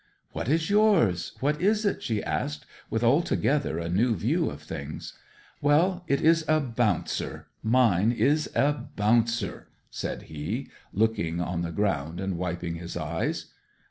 'What is yours what is it?' she asked, with altogether a new view of things. 'Well it is a bouncer; mine is a bouncer!' said he, looking on the ground and wiping his eyes.